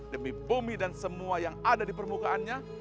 demi bumi dan semua yang ada di permukaannya